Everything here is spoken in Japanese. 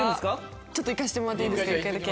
ちょっと行かせてもらっていいですか１回だけ。